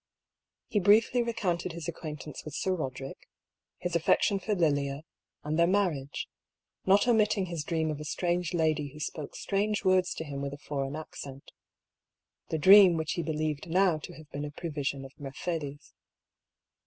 He briefly recounted his acquaintance with Sir Boderick, his affection for Lilia, and their marriage, not omitting his dream of a strange lady who spoke strange words to him with a foreign accent: the dream which he believed now to have been a pre vision of Mercedes.